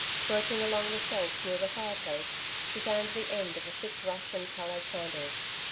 Groping along the shelves near the fireplace she found the end of a thick rush and tallow candle.